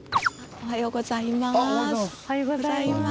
おはようございます。